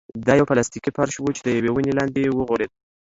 دا يو پلاستيکي فرش و چې د يوې ونې لاندې وغوړېد.